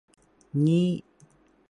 งี้